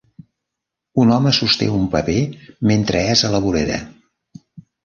Un home sosté un paper mentre és a la vorera.